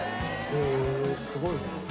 へえすごいね。